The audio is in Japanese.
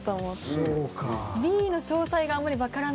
そうか。